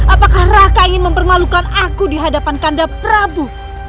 apakah raka ingin mempermalukan aku di hadapan kanda prabu